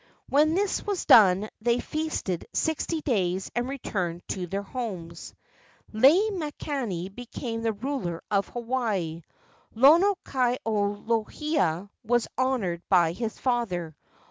When this was done they feasted sixty days and returned to their homes. Lei makani became the ruler of Hawaii. Lono kai o lohia was honored by his father.